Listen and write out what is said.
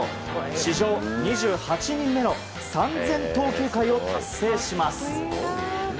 史上２８人目の３０００投球回を達成しました。